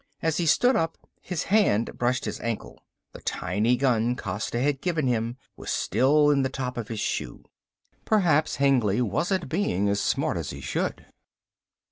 As he stood up his hand brushed his ankle. The tiny gun Costa had given him was still in the top of his shoe. Perhaps Hengly wasn't being as smart as he should.